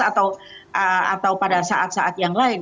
atau pada saat saat yang lain